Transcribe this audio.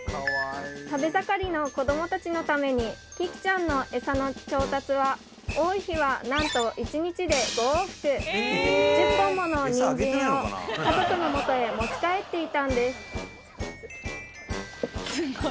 食べ盛りの子供たちのためにキキちゃんのエサの調達は多い日は何と１０本ものニンジンを家族のもとへ持ち帰っていたんです